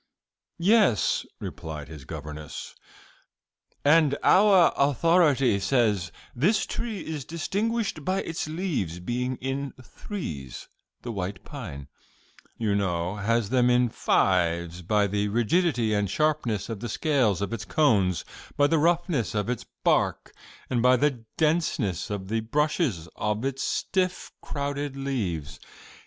"Yes," replied his governess, "and out authority says this tree is distinguished by its leaves being in threes the white pine, you know, has them in fives by the rigidity and sharpness of the scales of its cones, by the roughness of its bark, and by the denseness of the brushes of its stiff, crowded leaves.